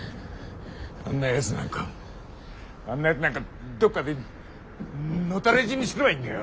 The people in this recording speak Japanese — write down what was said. あんなやつなんかあんなやつなんかどっかで野たれ死にすればいいんだよ。